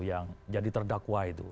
yang jadi terdakwa itu